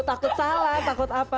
takut salah takut apa